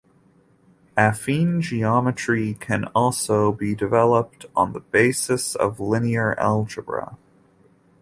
Affine geometry can also be developed on the basis of linear algebra.